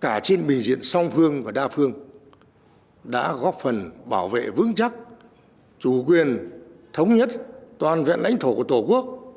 cả trên bình diện song phương và đa phương đã góp phần bảo vệ vững chắc chủ quyền thống nhất toàn vẹn lãnh thổ của tổ quốc